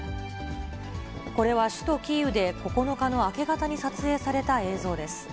これは首都キーウで９日の明け方に撮影された映像です。